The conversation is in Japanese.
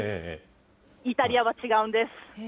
イタリアは違うんです。